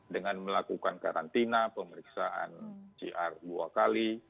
dengan melakukan karantina pemeriksaan cr dua kali